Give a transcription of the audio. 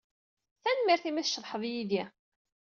Tanemmirt imi ay tceḍḥeḍ yid-i.